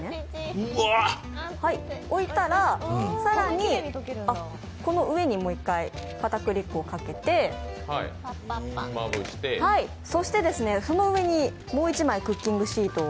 置いたら、更にこの上にもう一回片栗粉をかけて、そして、その上にもう一枚クッキングシートを。